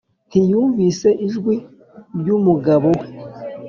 ntiyumvise ijwi ryumugabo we